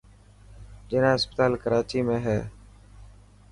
جناح اسپتال ڪراچي ۾ هي.